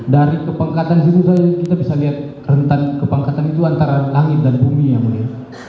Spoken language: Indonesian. dari kepangkatan situ saja kita bisa lihat rentan kepangkatan itu antara langit dan bumi yang mulia